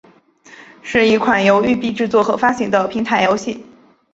是一款由育碧制作和发行的平台游戏。